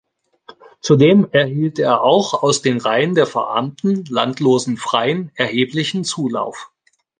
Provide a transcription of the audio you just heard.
Zudem erhielt er auch aus den Reihen der verarmten, landlosen Freien erheblichen Zulauf.